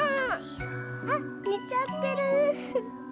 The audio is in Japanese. あっねちゃってる。